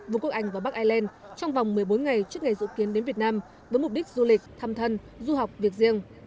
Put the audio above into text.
vùng quốc anh và bắc ireland trong vòng một mươi bốn ngày trước ngày dự kiến đến việt nam với mục đích du lịch thăm thân du học việc riêng